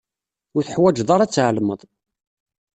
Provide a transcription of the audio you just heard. Ur teḥwaǧeḍ ara ad tɛelmeḍ.